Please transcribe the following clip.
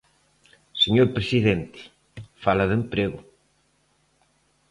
Señor presidente, fala de emprego.